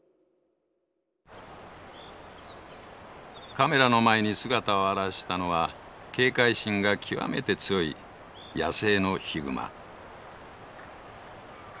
カメラの前に姿を現したのは警戒心が極めて強い野生のヒグマ。